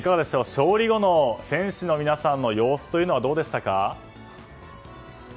勝利後の選手の皆さんの様子はどうでしたか？